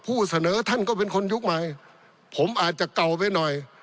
ผู้เสนอท่านก็เป็นคนยุคใหม่ผมอาจจะเก่าไปหน่อย